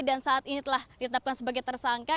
dan saat ini telah ditetapkan sebagai tersangka